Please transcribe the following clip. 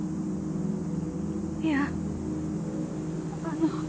いやあの。